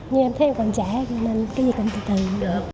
nhưng em thấy em còn trẻ nên cái gì cần từ từ cũng được